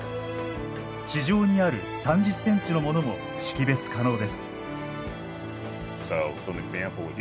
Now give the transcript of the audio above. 地上にある３０センチのものも識別可能です。